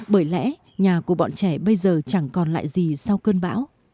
bởi lẽ nhà của bọn trẻ bây giờ chẳng còn lại gì sau cơn bão